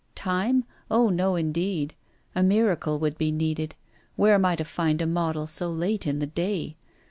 'Time? Oh! no indeed. A miracle would be needed. Where am I to find a model so late in the day?